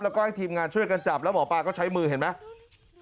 แล้วก็ให้ทีมงานช่วยกันจับแล้วหมอปลาก็ใช้มือเห็นไหม